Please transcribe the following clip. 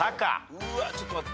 うわちょっと待って。